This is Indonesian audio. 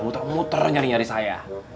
muter muter nyari nyari saya